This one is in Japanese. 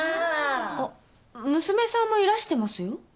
あっ娘さんもいらしてますよ。